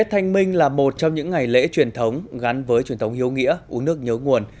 tết thanh minh là một trong những ngày lễ truyền thống gắn với truyền thống hiếu nghĩa uống nước nhớ nguồn